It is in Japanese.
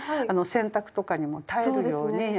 あの洗濯とかにも耐えるように。